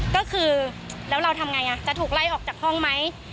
ก็คือแล้วเราทำไงจะถูกไล่ออกจากห้องไหม